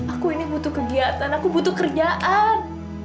aku ini butuh kegiatan aku butuh kerjaan